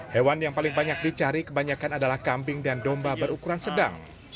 hewan yang paling banyak dicari kebanyakan adalah kambing dan domba berukuran sedang